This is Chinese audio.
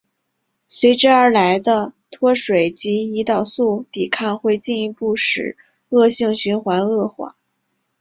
随之而来的脱水及胰岛素抵抗会进一步使恶性循环恶化。